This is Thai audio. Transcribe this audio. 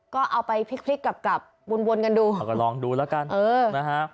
ก็เอาไปพลิกกลับวนกันดูเอาลองดูละกันนะฮะ